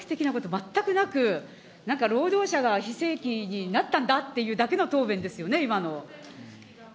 これ、政策的なこと、全くなく、労働者が非正規になったんだっていうだけの答弁ですよね、今の。